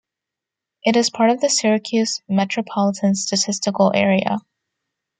It is part of the Syracuse Metropolitan Statistical Area.